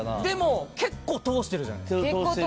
でも結構通してるじゃないですか。